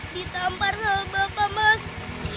ditampar sama bapak mas